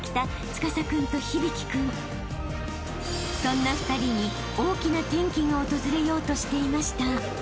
［そんな２人に大きな転機が訪れようとしていました］